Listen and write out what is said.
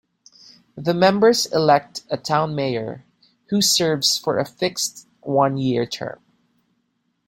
The members elect a town mayor, who serves for a fixed one-year term.